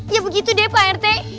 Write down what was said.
ya begitu deh pak rt